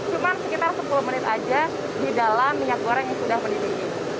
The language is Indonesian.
cuma sekitar sepuluh menit aja di dalam minyak goreng yang sudah mendidih